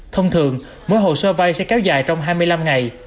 thông thường mỗi hồ sơ vay sẽ kéo dài trong hai mươi năm ngày